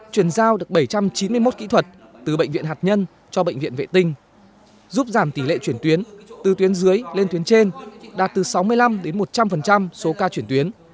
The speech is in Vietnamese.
chuyển giao được bảy trăm chín mươi một kỹ thuật từ bệnh viện hạt nhân cho bệnh viện vệ tinh giúp giảm tỷ lệ chuyển tuyến từ tuyến dưới lên tuyến trên đạt từ sáu mươi năm một trăm linh số ca chuyển tuyến